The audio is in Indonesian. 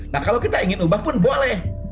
nah kalau kita ingin ubah pun boleh